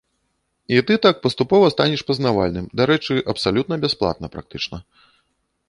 І ты так паступова станеш пазнавальным, дарэчы, абсалютна бясплатна практычна.